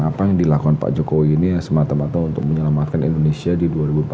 apa yang dilakukan pak jokowi ini semata mata untuk menyelamatkan indonesia di dua ribu dua puluh empat